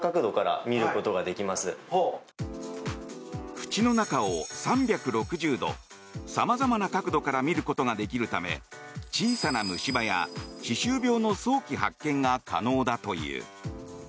口の中を３６０度様々な角度から見ることができるため小さな虫歯や歯周病の早期発見が可能だという。